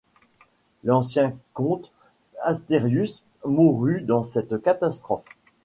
L'ancien comte Astérius mourut dans cette catastrophe.